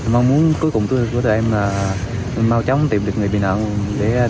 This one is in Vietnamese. mong muốn cuối cùng tụi em mau chóng tìm được người bị nặng để đưa về với gia đình